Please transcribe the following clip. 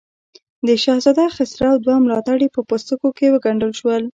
د شهزاده خسرو دوه ملاتړي په پوستکو کې وګنډل شول.